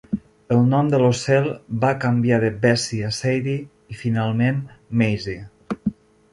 El nom de l'ocel va canviar de Bessie a Saidie i finalment Mayzie.